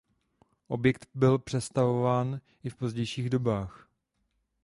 Objekt byl přestavován i v pozdějších dobách.